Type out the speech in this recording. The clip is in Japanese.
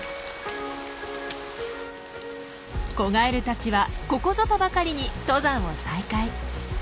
子ガエルたちはここぞとばかりに登山を再開。